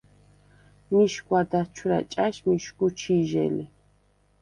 მიშგვა დაჩვრა̈ ჭა̈შ მიშგუ ჩი̄ჟე ლი.